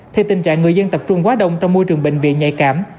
thì tình trạng người dân tập trung quá đông trong môi trường bệnh viện nhạy cảm